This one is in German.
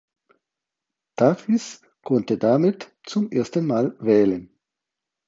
Davies konnte damit zum ersten Mal wählen.